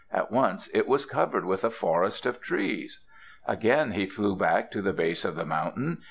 At once it was covered with a forest of trees. Again he flew back to the base of the mountain.